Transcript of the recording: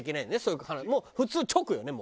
普通直よね